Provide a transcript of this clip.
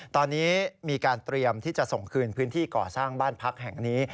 ตอนนี้มีการเตรียมที่จะส่งคืนพื้นที่ก่อสร้างบ้านพักแห่งนี้